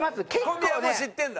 小宮も知ってるんだ？